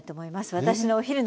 私のお昼の分。